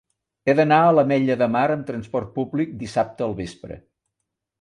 He d'anar a l'Ametlla de Mar amb trasport públic dissabte al vespre.